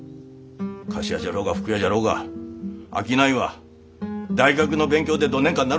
菓子屋じゃろうが服屋じゃろうが商いは大学の勉強でどねんかなるもんじゃねえ。